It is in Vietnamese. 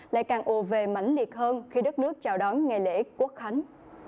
lại càng ồ về mạnh liệt hơn khi đất nước chào đón ngày lễ quốc khánh